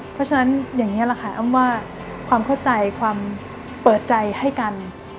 เพราะฉะนั้นอย่างนี้แหละค่ะอ้ำว่าความเข้าใจความเปิดใจให้กัน